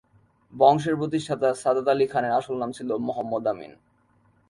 বংশের প্রতিষ্ঠাতা সাদত আলি খানের আসল নাম ছিল মহম্মদ আমিন।